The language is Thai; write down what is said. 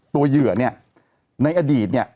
เหยื่อเนี่ยในอดีตเนี่ย